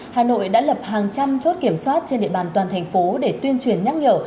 hà nội đã lập hàng trăm chốt kiểm soát trên địa bàn toàn thành phố để tuyên truyền nhắc nhở